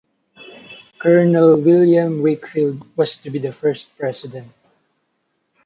Colonel William Wakefield was to be the first President.